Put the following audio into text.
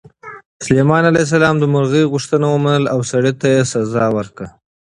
سلیمان علیه السلام د مرغۍ غوښتنه ومنله او سړی یې مجازات کړ.